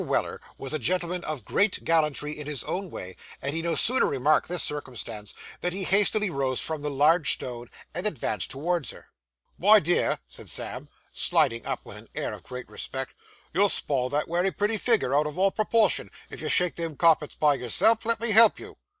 Weller was a gentleman of great gallantry in his own way, and he no sooner remarked this circumstance than he hastily rose from the large stone, and advanced towards her. 'My dear,' said Sam, sliding up with an air of great respect, 'you'll spile that wery pretty figure out o' all perportion if you shake them carpets by yourself. Let me help you.